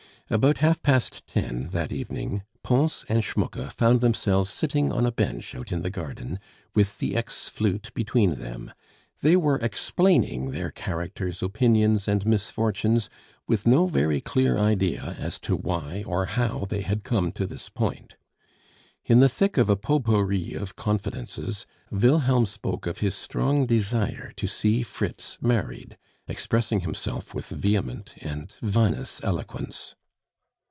About half past ten that evening Pons and Schmucke found themselves sitting on a bench out in the garden, with the ex flute between them; they were explaining their characters, opinions, and misfortunes, with no very clear idea as to why or how they had come to this point. In the thick of a potpourri of confidences, Wilhelm spoke of his strong desire to see Fritz married, expressing himself with vehement and vinous eloquence.